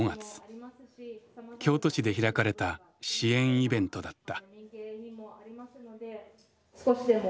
京都市で開かれた支援イベントだった。